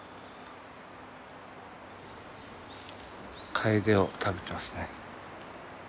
カエデを食べてますね。